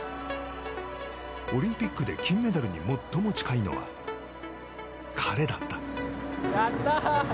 オリンピックで金メダルに最も近いのは彼だった。